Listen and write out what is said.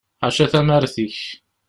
Ḥaca tamart ik.